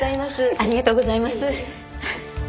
ありがとうございます。